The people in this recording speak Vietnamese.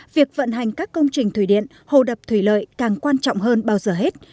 việc vận hành các công trình thủy điện hồ đập thủy lợi càng quan trọng hơn bao giờ hết